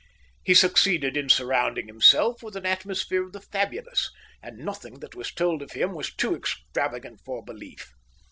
He succeeded in surrounding himself with an atmosphere of the fabulous, and nothing that was told of him was too extravagant for belief.